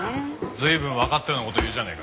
随分わかったような事言うじゃねえか。